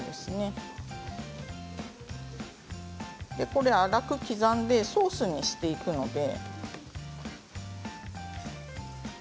これ、粗く刻んでソースにしていくので。